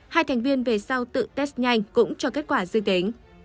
hai thành viên về sau tự test nhanh cũng cho kết quả dư tính